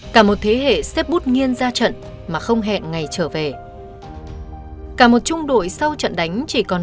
cả một thế hệ xếp bút nghiên ra trận mà không hẹn ngày trở về cả một trung đội sau trận đánh chỉ còn